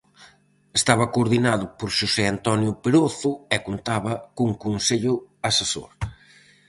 Estaba coordinado por Xosé Antonio Perozo e contaba cun consello asesor.